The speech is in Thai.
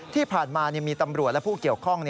ที่ผ่านมามีตำรวจและผู้เกี่ยวข้อง